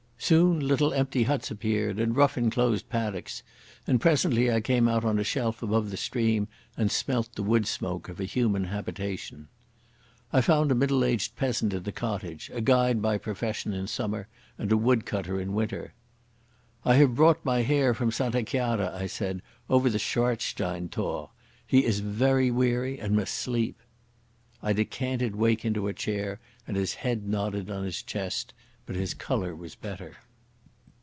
Soon little empty huts appeared, and rough enclosed paddocks, and presently I came out on a shelf above the stream and smelt the wood smoke of a human habitation. I found a middle aged peasant in the cottage, a guide by profession in summer and a woodcutter in winter. "I have brought my Herr from Santa Chiara," I said, "over the Schwarzsteinthor. He is very weary and must sleep." I decanted Wake into a chair, and his head nodded on his chest. But his colour was better.